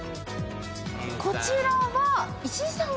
こちらは石井さんが？